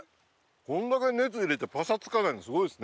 こんだけ熱入れてパサつかないのすごいですね。